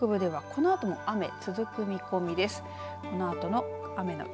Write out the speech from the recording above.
九州北部ではこのあとも雨、続く見込みです。